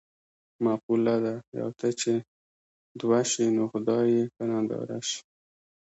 مقوله ده: یوه ته چې دوه شي نو خدای یې په ننداره شي.